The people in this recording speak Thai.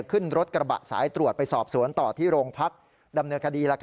ขึ้นรถกระบะสายตรวจไปสอบสวนต่อที่โรงพักดำเนินคดี